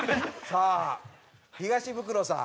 さあ東ブクロさん。